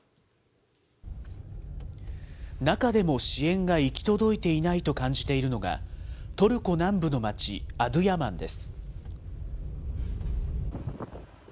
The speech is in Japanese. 中でも支援が行き届いていないと感じているのが、トルコ南部の町アドゥヤマンです。